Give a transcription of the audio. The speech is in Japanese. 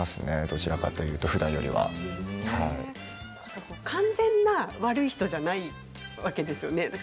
どちらかというと、ふだんよりは。完全な悪い人じゃないわけですよね。